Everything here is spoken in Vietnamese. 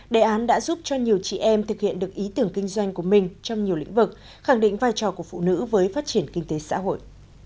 đề án đã giúp cho nhiều chị em thực hiện được ý tưởng kinh doanh của mình trong nhiều lĩnh vực khẳng định vai trò của phụ nữ với phát triển kinh tế xã hội